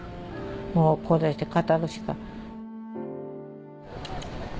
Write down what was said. もうこうして語るしか。